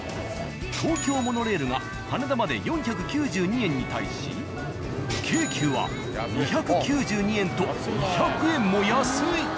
東京モノレールが羽田まで４９２円に対し京急は２９２円と２００円も安い。